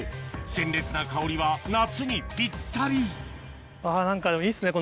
鮮烈な香りは夏にぴったりいいですね。